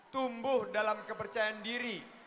tumbuh dalam kepercayaan diri